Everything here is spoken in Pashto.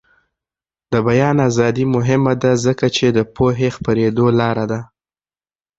د بیان ازادي مهمه ده ځکه چې د پوهې خپریدو لاره ده.